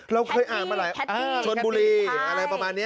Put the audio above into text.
เราเคยอ่านมาหลายชนบุรีอะไรประมาณนี้